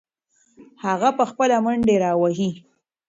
هغه به خپله منډې راوهي.